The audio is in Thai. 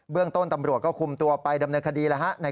เรื่องต้นตำรวจก็คุมตัวไปดำเนินคดีแล้วฮะ